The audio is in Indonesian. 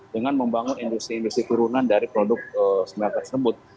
dengan membangun industri industri turunan dari produk smelter tersebut